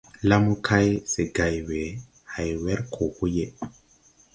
La mo kay, se gày we, hay wer koo po yeʼe.